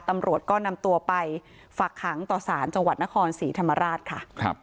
ตำรวจก็นำตัวไปฝักขังต่อสารจังหวัดนครศรีธรรมราชค่ะ